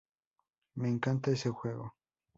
Me encanta ese juego.